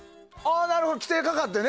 なるほど、規制がかかってね。